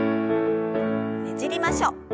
ねじりましょう。